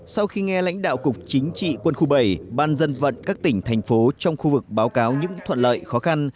sau khi nghe lãnh đạo cục chính trị quân khu bảy ban dân vận các tỉnh thành phố trong khu vực báo cáo những thuận lợi khó khăn